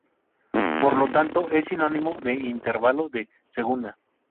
Por lo tanto es sinónimo de intervalo de segunda.